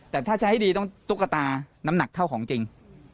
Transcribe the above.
แต่ถ้าจะให้ดีต้องตุ๊กตาน้ำหนักเท่าของจริง